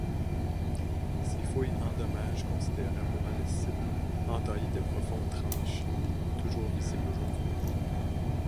Ces fouilles endommagent considérablement le site, entaillé de profondes tranchées toujours visibles aujourd'hui.